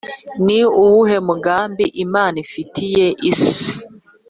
Ni uwuhe mugambi Imana ifitiye isi?